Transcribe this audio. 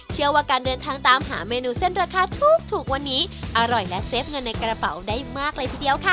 เชื่อว่าการเดินทางตามหาเมนูเส้นราคาถูกวันนี้อร่อยและเซฟเงินในกระเป๋าได้มากเลยทีเดียวค่ะ